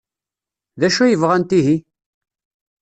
D acu ay bɣant ihi?